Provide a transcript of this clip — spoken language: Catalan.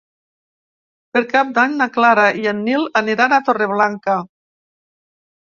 Per Cap d'Any na Clara i en Nil aniran a Torreblanca.